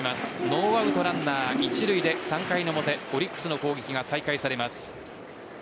ノーアウトランナー一塁で３回の表、オリックスの攻撃が再開されます。